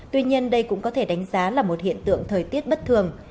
tuy nhiên đây cũng có thể đánh giá là một hiện tượng thời tiết bất thường